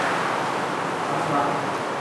ทั้งรัฐ